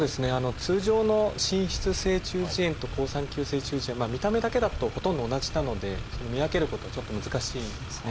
通常の滲出性中耳炎と好酸球性中耳炎見た目だけだとほとんど同じなので見分けることはちょっと難しいですね。